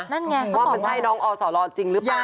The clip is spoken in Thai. นั่นไงว่ามันใช่น้องอสลจริงหรือเปล่า